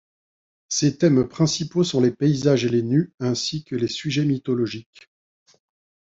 Ses thèmes principaux sont les paysages et les nus, ainsi que les sujets mythologiques.